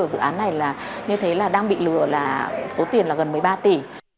ở dự án này là như thế là đang bị lừa là số tiền là gần một mươi ba tỷ